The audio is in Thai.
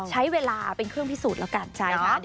ใช้เวลาเป็นเครื่องพิสูจน์แล้วกัน